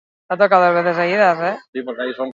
Bere izenak arantzadun narrastia esan nahi du.